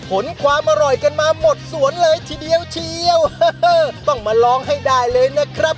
ขนความอร่อยกันมาหมดสวนเลยทีเดียวเชียวต้องมาลองให้ได้เลยนะครับ